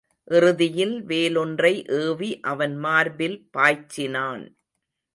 இறுதியில் வேல் ஒன்றை ஏவி அவன் மார்பில் பாய்ச்சினான்.